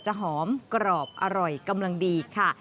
หอมกรอบอร่อยกำลังดีค่ะ